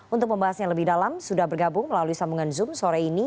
untuk membahasnya lebih dalam sudah bergabung melalui sambungan zoom sore ini